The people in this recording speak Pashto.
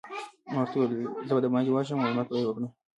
ما ورته وویل: زه به دباندې ورشم او معلومات به يې وکړم.